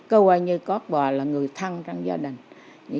cô ấy như cán bò là người thân trong gia đình